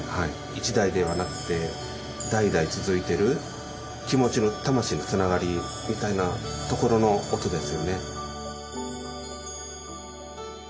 一代ではなくて代々続いてる気持ちの魂のつながりみたいなところの音ですよね。